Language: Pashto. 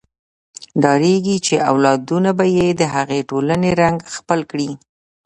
ډارېږي چې اولادونه به یې د هغې ټولنې رنګ خپل کړي.